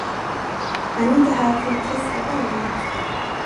Är ni inte här för att testa varorna?